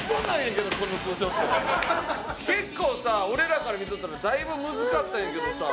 結構さ俺らから見とったらだいぶムズかったんやけどさ。